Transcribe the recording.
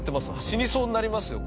死にそうになりますよ